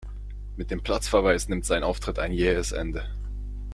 Mit dem Platzverweis nimmt sein Auftritt ein jähes Ende.